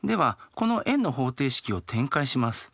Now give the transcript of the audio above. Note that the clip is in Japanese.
この円の方程式を展開します。